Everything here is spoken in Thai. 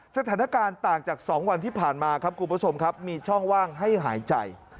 สถานการณ์ต่างจาก๒วันที่ผ่านมาครับคุณผู้ชมครับมีช่องว่างให้หายใจ